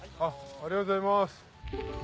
ありがとうございます。